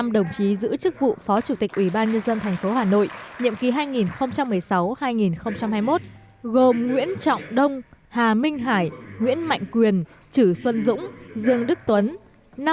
năm đồng chí giữ chức vụ phó chủ tịch ủy ban nhân dân tp hà nội nhiệm ký hai nghìn một mươi sáu hai nghìn hai mươi một gồm nguyễn trọng đông hà minh hải nguyễn mạnh quyền chử xuân dũng dương đức tuấn